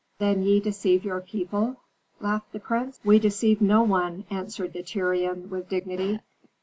"Then ye deceive your people?" laughed the prince. "We deceive no one," answered the Tyrian, with dignity.